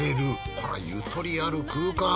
これはゆとりある空間。